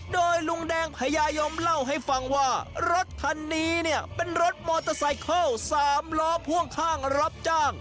โดยลุงแดงพญายมเล่าให้ฟังว่ารถคันนี้เนี่ยเป็นรถมอเตอร์ไซเคิล๓ล้อพ่วงข้างรับจ้าง